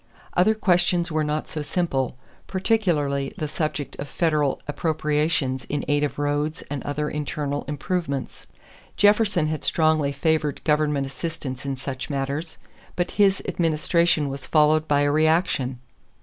Other questions were not so simple, particularly the subject of federal appropriations in aid of roads and other internal improvements. Jefferson had strongly favored government assistance in such matters, but his administration was followed by a reaction.